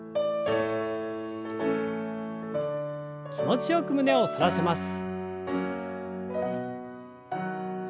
気持ちよく胸を反らせます。